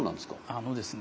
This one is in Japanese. あのですね